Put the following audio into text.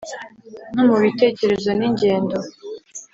no mu bitekerezo n’ingendo,